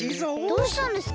どうしたんですか？